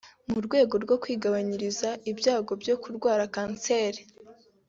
mu rwego rwo kwigabanyiriza ibyago byo kurwara kanseri